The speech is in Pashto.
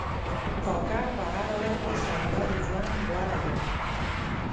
کاکړ په هر حالت کې سرلوړي ژوند غوره ګڼي.